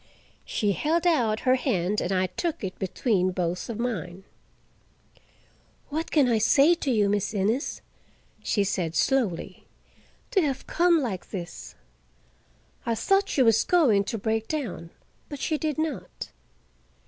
She held out her hand and I took it between both of mine. "What can I say to you, Miss Innes?" she said slowly. "To have come like this—" I thought she was going to break down, but she did not.